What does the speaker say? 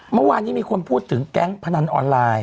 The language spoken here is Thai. เมื่อวานนี้มีคนพูดถึงแก๊งพนันออนไลน์